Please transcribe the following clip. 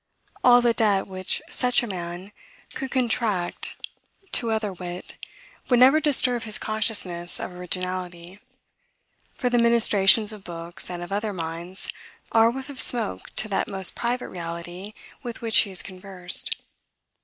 All the debt which such a man could contract to other wit, would never disturb his consciousness of originality: for the ministrations of books, and of other minds, are a whiff of smoke to that most private reality with which he has conversed.